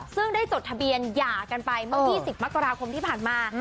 ซึ่งได้จดทะเบียนหย่ากันไปเมื่อ๒๐มกราคมที่ผ่านมา